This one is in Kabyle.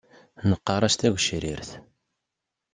Neqqar-as tagecrirt.